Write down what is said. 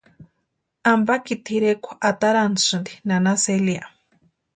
Ampakiti tʼirekwa atarantʼasïnti nana Celia.